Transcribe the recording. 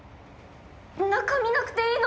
中見なくていいの？